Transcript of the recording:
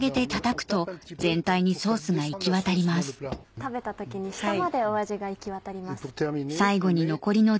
食べた時に下まで味が行き渡ります。